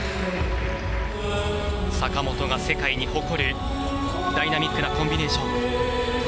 坂本が世界に誇るダイナミックなコンビネーション。